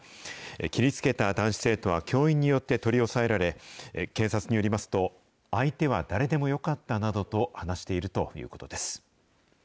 切りつけた男子生徒は教員によって取り押さえられ、警察によりますと相手は誰でもよかったなどと話しているということです。